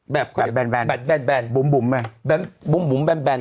แบนแบนแบนแบนแบนบุ๋มบุ๋มไหมแบนบุ๋มบุ๋มแบนแบนอ่ะ